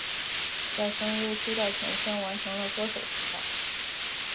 在声优出道前先完成了歌手出道。